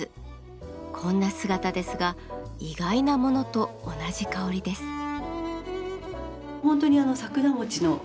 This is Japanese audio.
こんな姿ですが意外なものと同じ香りです。